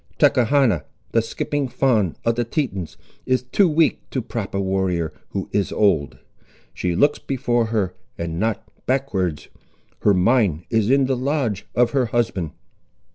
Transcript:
Tachechana, the skipping fawn of the Tetons, is too weak, to prop a warrior, who is old. She looks before her and not backwards. Her mind is in the lodge of her husband."